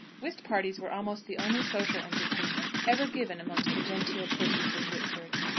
Whist parties were almost the only social entertainment ever given amongst the genteel persons in Whitford.